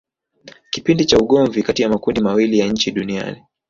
Kipindi cha ugomvi kati ya makundi mawili ya nchi Duniani